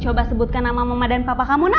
coba sebutkan nama mama dan papa kamu nak